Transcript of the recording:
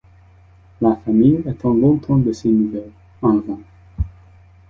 La famille attend longtemps de ses nouvelles, en vain.